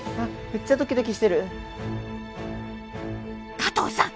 加藤さん